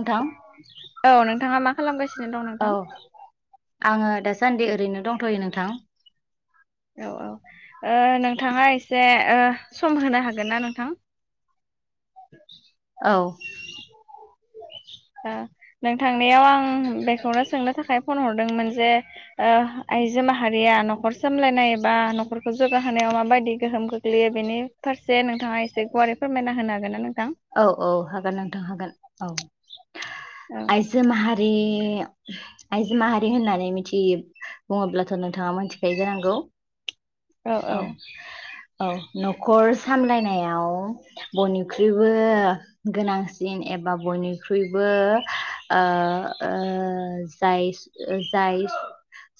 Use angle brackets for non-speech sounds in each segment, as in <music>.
नोंथां औ नोंथाङा मा खालामगासिनो दं औ नोंथां? आङो दासान्दि ओरैनो दंथ'यो नोंथां। औ औ ओ नोंथाङा एसे ओ सम होनो हागोन ना नोंथां? औ दा नोंथांनियाव आं बेखौनो सोंनो थाखाय फन हरदोंमोन जे ओ आइजो माहारिया न' खर सामलायनाय एबा न'खरखौ जौगाहोनायाव माबायदि गोहोम खोग्लैयो बेनि फारसे नोंथाङा एसे गुवारै फोरमायना होनो हागोन ना नोंथां औ औ हागोन नोंथां हागोन औ औ आइजो माहारि आइजो माहारि होननानै मिथि बुङोब्लाथ' नोंथाङा मोनथिखायो जानांगौ औ औ न'खर सामलायनायाव बयनिख्रुइ बो गोनांसिन एबा बयनिख्रुइबो ओ ओ जाय जाय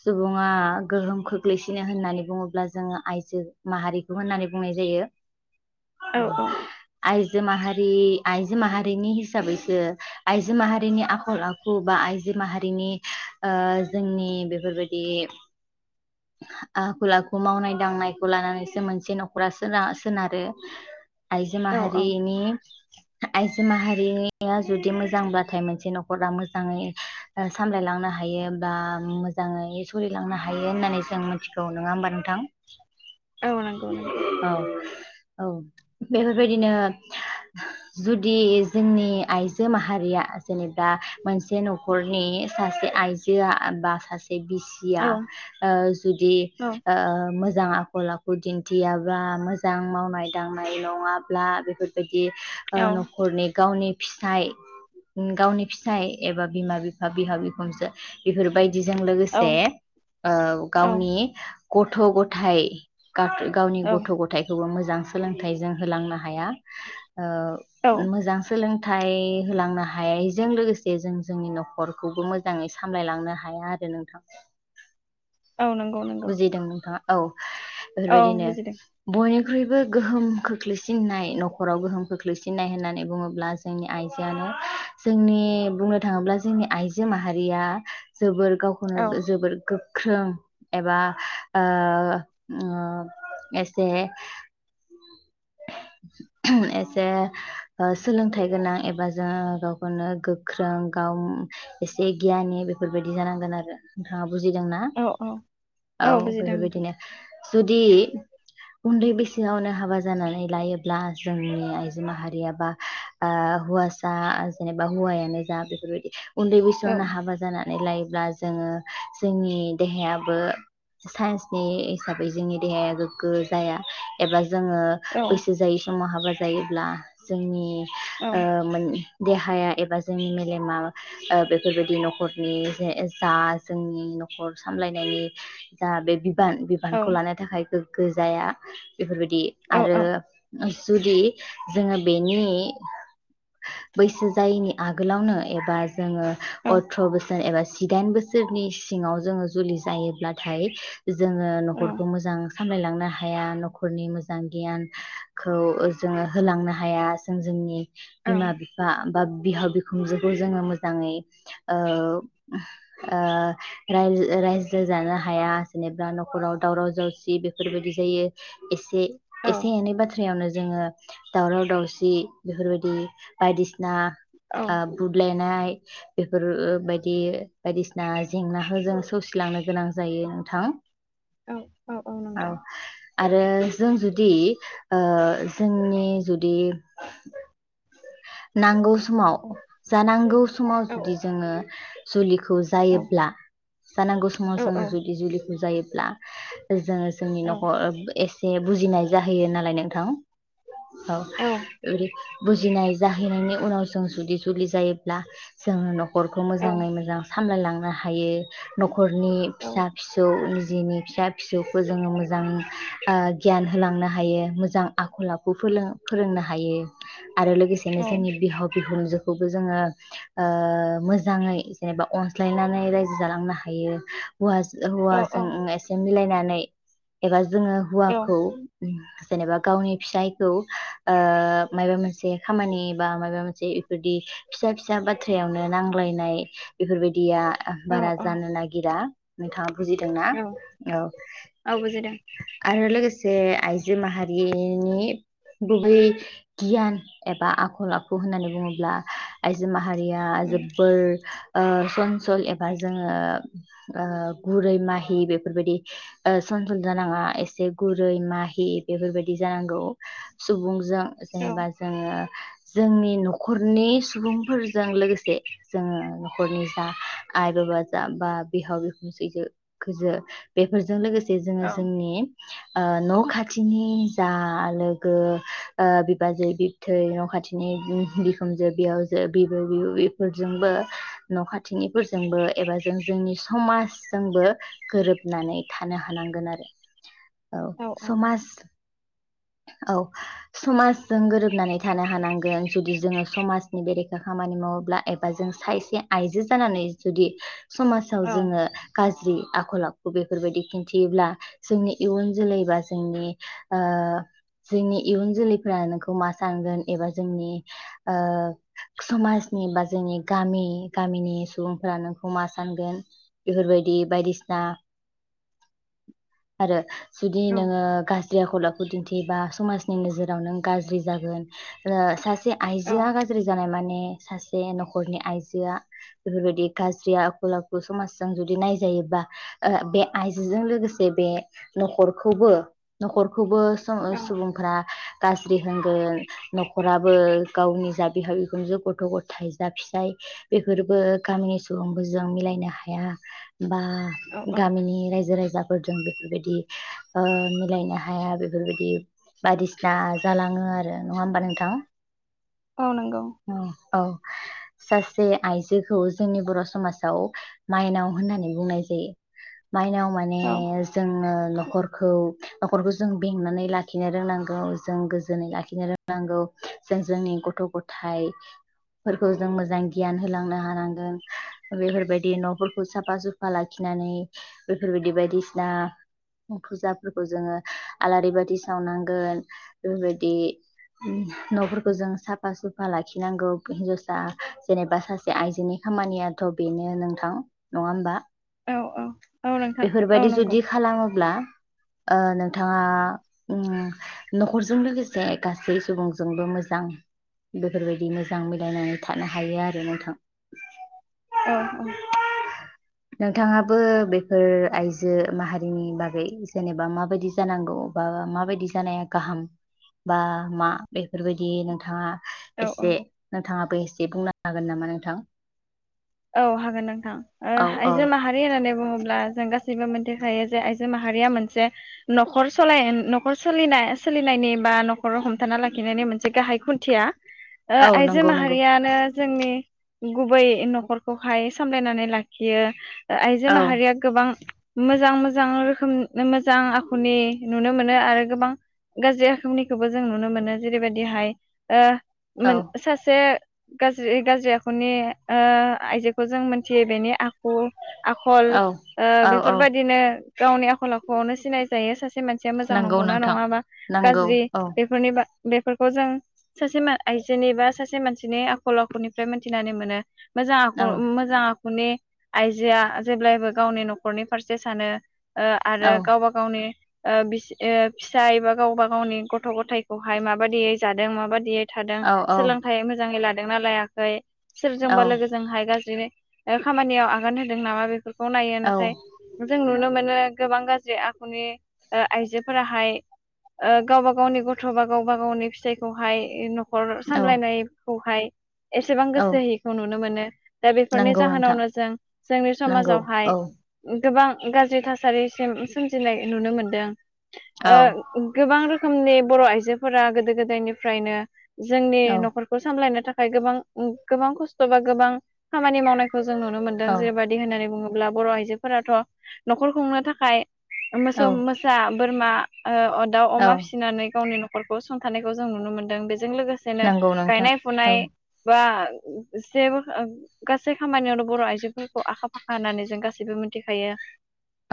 सुबुङा गोहोम खोख्लैसिनो होननानै बुङोब्ला जोङो आइजो माहारिखौ होननानै बुंनाय जायो। औ <unintelligible> आय जो माहारि आइजो माहारिनि हिसाबैसो आइजो माहारिनि आखल आखु बा आइजो माहारिनि ओ जोंनि बेफोरबायदि आखल आखु मावनाय दांनायखौ लानानैसो मोनसे न'खरा सोना-सोनारो आइजो औ माहा औ रि आइजो माहारिया जुदि मोजांब्लाथाय मोनसे न'खरा मोजाङै सामलायलांनो हायो बा मोजाङै सोलिलांनो हायो होननानै जों मिथिगौ नङा होमबा नोंथां। औ नंगौ नंगौ औ। औ बेफोरबायदिनो। जुदि जोंनि आइजो माहारिया। जेनेबा मोनसे न'खरनि सासे आइजो। यो बा सा से औ बिसिया औ ओ जुदि औ ओ मो जां आखल आखु दिन्थियाब्ला मोजां मावनाय दांनाय नङाब्ला बे फोर बाय दि ओ औ न'खरनि गावनि फिसाय गावनि फिसाय एबा बिमा बिफा बिहाव बिखुनजो बेफोर बायदि बिजों लोगोसे ओ औ गावनि गथ गथाय। गावनि गथ गथायखौबो मोजां मोजां सोलोंथाइजों होलांनो हाया। <inaudible> ओ औ मोजां सोलों सोलोंथाइ होलांनो हायैजों लोगोसे जों जोंनि नखरखौबो मोजाङै सामलायलांनो हाया आरो नोंथां। औ नंगौ नंगौ। बुजिदों नोंथाङा औ। औ बेफोरबायदिनो बुजिदों बनि ख्रुइबो गोहोम खोख्लैसिननाय नखराव गोहोम खोख्लैसिननाय होननानै बुङोब्ला जोंनि आइजोआनो जोंनि बुंनो थाङोब्ला जोंनि आइजो माहारिया जोबोर गावखौनो औ जोबोर गो ख्रों एबा ओ ओ एसे एसे ओ सोलोंथाइ गोनां एबा जों गावखौनो गोख्रों गाव एसे गियानि बेफोरबायदि जानांगोन आरो नोंथाङाबो। बुजिदों ना? औ औ औ बुजिदों बेफोर नोंथां बायदिनो। जुदि उन्दै बेैसोआवनो हाबा जानानै लायोब्ला जोंनि आइजो माहारिया बा ओ हौवासा जेनेबा हौवायानो जा बेफोर बायदि उन्दै औ बैसआवनो हाबा जाना नायलायोब्ला जोंनि देहाया <unintelligible> हिसाबै जोंनि देहाया गोग्गो जाया एबा जोङो औ बैसो जायै समावहा हाबा जायोब्ला जोंनि औ ओ मोन देहाया एबा जोंनि मेलेमा ओ बेफोर बायदि नखरनि जा जोंनि नखर सामलाय जा बे औ बिबानखौ लानो थाखाय गो गैजाया। बेफोरबायदि औ आरो जुदि जोंङो बेनि बैसो जायैनि आगोलावनो एबा जोंङो औ अथ्र बोसोर एबा जिदाइन बोसोरनि सिंङाव जोंङो जुलि जायोब्ला थाय जोंङो औ नखरखौ मोजां सामलायलांनो हाया नखरनि मोजां गियानखौ जोंङो होलांनो हाया जों जोंनि बिमा बिफा बा बिहाव बिखुनजोखौ जोंङो मोजाङै ओ ओ <unintelligible> राइजो जानो हाया जेनेबा नखराव दावराव दावसि बेफोरबायदि जायो एसे एसे औ एनै बाथ्रा बाथ्रायावनो जोंङो दावराव दावसि बेफोरबायदि बायदिसिना औ ना बुदलायनाय बेफोरबायदि बायदिसिना जेंनाखौ जों सौसि लांनो गोनां जायो थां औ <inaudible> नोंथां औ आरो जों जुदि जुदि जोंनि जुदि नांगौ समाव जा नांगौ समाव औ जुदि जोंङो <unintelligible> खौ औ जायोब्ला जानांगौ समाव औ औ जोंङो जुदि जुलिखौ जायोब्ला जोंङो जोंनि नखर एसे बुजिनाय जाहैयो नालाय नोंथां औ <unintelligible> जाहैनायनि उनाव जों जुदि जुलि जायोब्ला जोङो नखरखौ मोजांङै मोजां सामलायलांनो हायो हायो न'खरनि फिसा फिसौ जिनि फिसा फिसौखौ जोङो मोजां ओ गियान होलांनो हायो मोजां आखल आखु फोरोंनो हायो आरो लोगोसेनो जोंनि बिहाव बिहुनजोखौ जोङो ओ मोजाङै जेनेबा अनज्लायनानै रायजो जालांनो हायो हौवा हौवाजों एसे मिलायनानै <unintelligible> एबा जोङो हुवाखौ जेनेबा गावनि फिसायखौ ओ माबा मोनसे मोनसे खामानि बा माबा मोनसे बेफोरदि फिसा फिसा बाथ्रायावनो नांज्लायनाय बेफोरबायदिया औ बारा जानो नागिरा नोंथाङा बुजिदोंना औ औ औ बुजिदों आरो लोगोसे आइजो माहारिनि गुबै गियान एबा आखल आखु होननानै बुङोब्ला आइजो माहारिया उम जोबोर ओ सनसल एबा जोङो ओ गुरै माहि बेफोरबायदि सनसल जानाङा एसे गुरै माहि बेफोरबायदि जानांगौ सुबुं जों औ औ जेनेबा ओ जोंनि न'खरनि सुबुंफोरजों लोगोसे जोङो न'खरनि जा आइ बाबा जा बा बिहाव बिखुन सैजो गोजो बेफोरजों लोगोसे जे जोङो जोंनि ओ न' खाथिनि जा लोगो बिबाजै थै न' खाथिनि बिखोमजो बेयावजो बिबै बिबफोरजोंबो न' खाथिनिफोरजोंबो एबा जों जोंनि समाजजोंबो गोरोबनानै थानो हानांगोन आरो औ समाज औ समाजजों गोरोब नानै थानो हानांगोन जुदि जोङो समाज नि बेरेखा खामानि मावोब्ला एबा जों साइसे आइजो जानानै जुदि समाजाव जोङो गाज्रि आ आखल आखु बेफोरबायदि खिन्थियोब्ला जोंनि इयुन जोलै बा जोंनि ओ जोंनि इयुन जोलैफोरा नोंखौ मा सानगोन एबा जोंनि समाजनि बा जोंनि गामि गामिनि सुबुंफोरा नोंखौ मा सानगोन बेफोरबायदि बायदिसिना आरो जुदि नोङो गाज्रि आखलाखौ दिन समाजनि नोजोराव नों गाज्रि जागोन <unintelligible> जे आइजोआ गाज्रि जानाय माने सासे न'खरनि आइजोआ बेफोरबायदि गाज्रि आखल आखु समाजजों जुदि नायजायोबा बे आइजोजों लोगोसे बे नखखौबो न'खखौबो स औ सुबुंफोरा गाज्रि होनगोन न'खराबो गावनि जा बिहाव बिखुनजो गथ' गथायाइ जा फिसाय बेफोरबो गामिनि सुबुंफोरजों मिलायनो हाया बा औ गामिनि रायजो राजा फोरजों बेफोरबायदि ओ मिलायनो हाया बेफोरबायदि बिदि बायदिसिना जालाङो आरो नङा होमबा नोंथां? औ नंगौ औ-औ। सासे आइजोखौ जोंनि बर' समाजाव माइनाव होननानै बुंनाय जायो। माइनाव माने औ जोङो न'खरखौ-न'खरखौजों बेंनानै लाखिनो रोंनांगौ जों गोजोनै लाखिनो रोंनांगौ जों जोंनि गथ' गथाइ फोरखौ जों मोजां गियान होलांनो हानांगोन बेफोरबायदि न'फोरखौ साफा सुफा लाखिनानै बेफोरबायदि बायदिसिना फुजाफोरखौ जोङो आलारि बायदिसि सावनांगोन बेफोरबायदि न'फोरखौ जों साफा सुफा लाखिनांगौ हिनजावसा जेनेबा सासे आइजोनि खामानियाथ' बेनो नोंथां नङा होमबा। औ औ। औ नोंथां औ बेफोरबायदि नंगौ जुदि खालामोब्ला। ओ नोंथाङा उम न'खरजों लोगोसे गासै सुबुंजोंबो मोजां बेफोरबायदि मोजां मिलायनानै थानो हायो आरो नोंथां। औ औ। नोंथाङाबो बे बेफोर आइजो माहारिनि बागै जेनेबा माबायदि जानांगौ बा माबायदि जानाया गाहाम बा मा बेफोरबायदि नोंथाङा औ एसे औ नोंथाङाबो एसे बुंनो हागोन नामा नोंथां। औ हागोन नोंथां ओ औ औ आइजो माहारि होननानै बुङोब्ला जों गासैबो मोनथिखायो जे आइजो माहारिया मोनसे नखर सलाय ओ नखर सलिना सोलिनायनि बा नखराव हमथाना लाखिनायनि मोनसे गाहाय खुन्थिया। ओ औ आइजो नंगौ नंगौ माहारियानो जोंनि गुबै नखर खौहाय सामलायनानै लाखियो। आइजो औ माहारिया गोबां मोजां मोजां रोखोम मोजां आखुनि नुनो मोनो आरो गोबां गाज्रि आखुनिखौबो जों नुनो मोनो जेरैबायदिहाय ओ औ मोन सासे गाज्रि-गाज्रि आखुनि ओ आइजोखौ जों मोनथियो बेनि आ खु आखल औ ओ औ औ बेफोरबायदिनो गावनि आखल आखुआवनो सि नाय जायो सासे मानसिया मोजां नंगौ नंगौना नोंथां नङा बा नंगौ गाज्रि औ बेफोरनि बा बेफोरखौ जों सासे मा आइजोनि बा सासे मानसिनि आखल आखुनिफ्राय मोनथिनानै मोनो । मोजां औ ख मोजां आ खुनि आइजोआ जेब्लायबो गावनि नखरनि फारसे सानो। ओ आरो औ गावबा गावनि ओ बिसि ओ फिसाय एबा गावबा गावनि गथ गथाइखौहाय माबादियै जादों माबादियै थादों औ सोलोंथाइ मोजाङै ला दोंना लायाखै सोरजोंबा औ लोगोजोंहाय बिदिनो ओ खामानियाव आगान होदों नामा बेफोर खौ नायो औ नाथाय जों नुनो मोनो गोबां गा ज्रि आखुनि ओ आइजोफोराहाय ओ गावबा गावनि गथ' बा गावबा गावनि फिसाइखौहाय न' खर औ सामलायनाय खौहाय एसेबां औ गोसो होयिखौ नुनो मोनो। दा बेफोरनि नंगौ नोंथां जाहोनावनो जों जोंनि नंगौ समाजावहाय औ गोबां गाज्रि थासारिसिम सोमजिनाय नुनो मोनदों। औ ओ गोबां रो खोमनि बर' आइजोफोरा गोदो गोदायनिफ्रायनो जोंनि औ न'खरखौ सामलायनो था खाय गोबां गोबां खस्थ बा गोबां खामानि मावनाय खौ जों नुनो मोनदों जेरैबादि होननानै बुङो अब्ला बर' आइजोफोराथ' न'खर खुंनो थाखाय औ मोसौ मोसा बोरमा ओ अ दाउ औ अमा फिसिनानै गावनि न' खरखौ सुंथानायखौ जों नुनो मोनदों बे जों लोगोसेनो नंगौ नोंथां गायनाय फुनाय औ बा सेब <unintelligible> गासै खामानियावनो बर' आइजोफोरखौ आखा फाखा होननानै जों गासैबो मोनथिखायो।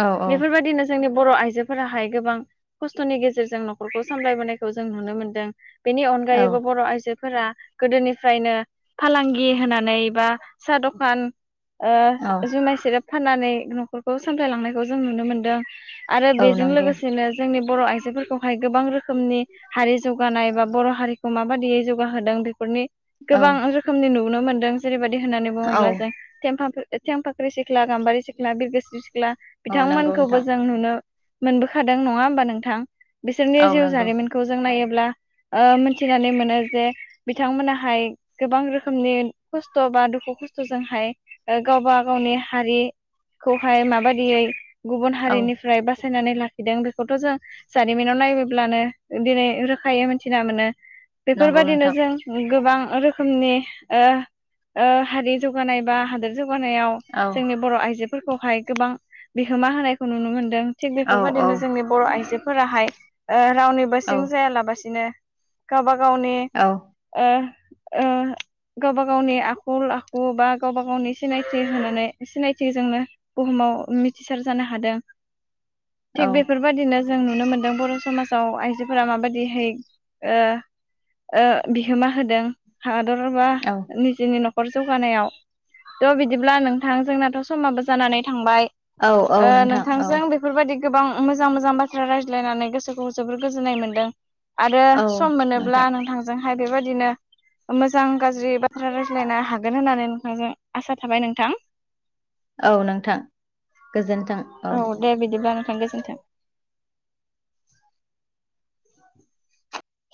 औ औ बेफोरबायदिनो जोंनि बर' आइजोफोराहाय गोबां खस्थ'नि गेजेरजों न'खरखौ सामलायबोनायखौ जों नुनो मोनदों। बेनि औ अनगायैबो बर' आइजो फोरा गोदोनिफ्रायनो फालांगि होनानै बा सा द'खान ओ औ जुमाय सेरेब फाननानै न'खरखौ सामलायलांनायखौ जों नुनो मोनदों। आरो औ बेजों नंगौ लोगोसेनो जोंनि बर' आइजोफोरखौहाय गोबां रोखो रोखोमनि हारि जौगानाय बा बर' हारिखौ माबायदियै जौगाहोदों बेफोरनि औ गोबां रोखोमनि नुनो मोन दों जेरैबायदि होननानै औ बुङोब्ला जों थें फाख्रि थेंफाख्रि सिख्ला गामबारि सिख्ला बिरगोस्रि सि ख्ला औ नंगौ बिथांमोनखौबो नोंथां जों नुनो मोनबोखादों नङा होमबा नोंथां। बिसोरनि औ जिउ नंगौ जारिमिनखौ जों नायो ब्ला ओ मोनथिनानै मोनो जे बिथांमोनाहाय गोबां रोखोमनि खस्थ' बा दुखु दुखु खस्थ'जोंहाय गावबा गावनि हारिखौहाय माबायदियै गुबुन औ हारिनिफ्राय बा सायनानै लाखिदों बेखौथ' जों जारिमिनाव नायोब्लानो दिनै रोखायै मोनथिना मोनो। नंगौ बेफोरबायदिनो नोंथां जों गोबां। रोखोमनि ओ ओ हारि जौगानाय बा हादोर जौ गानायाव औ जोंनि बर' आइजो। फोरखौहाय गोबां बिहोमा होनायखौ नुनो मोनो। दों थिग औ औ बेफोरबायदिनो जोंनि बर'आइजोफोराहाय। ओ रावनिबो औ सिं जायालाबासिनो गावबा गावनि ओ ओ गावबा गावनि आ खल आखु बा गावबा गावनि सिनायथि होनानै सिनायथिजोंनो बुहुमाव मिथिसार जानो हादों। औ थिग बेफोरबादिनो जों नुनो मोनदों बर' समाज फ्राव आइजोफोरा माबायदिहै ओ ओ बिहोमा होदों। <unintelligible> बा औ निजे नि खर जौगानायाव थ' बिदिब्ला नोंथां जोंनाथ' समाबो जानानै। थांबाय औ औ ओ नोंथां औ नोंथांजों बेफोरबायदि। गोबां मोजां मोजां बाथ्रा रायज्लायनानै गोसोखौ जोबोर गोजोननाय मोनदों। आरो औ सम मोनोब्ला नोंथां नोंथांजोंहाय। बेबायदिनो मोजां गाज्रि बाथ्रा रायज्लायना। हागोन होननानै नोंथांजों आसा थाबाय नोंथां। औ नोंथां गोजोन। औ दे बिदिब्ला नोंथां गो <unintelligible>